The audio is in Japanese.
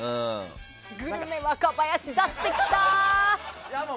グルメ若林、出してきた！